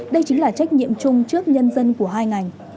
đây chính là trách nhiệm chung trước nhân dân của hai ngành